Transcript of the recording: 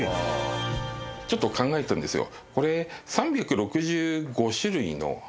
ちょっと考えたんですよ。